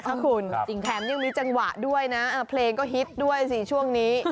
คุณแถมยังมีจังหวะด้วยนะเพลงก็ฮิตด้วยสิช่วงนี้